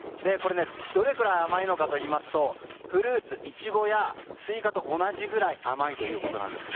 どれくらい甘いのかといいますとフルーツ、イチゴやスイカと同じくらい甘いということです。